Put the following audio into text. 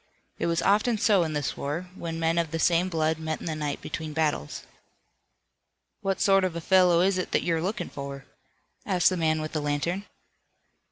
It was often so in this war, when men of the same blood met in the night between battles. "What sort of a fellow is it that you're lookin' for?" asked the man with the lantern.